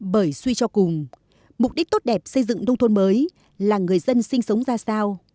bởi suy cho cùng mục đích tốt đẹp xây dựng nông thôn mới là người dân sinh sống ra sao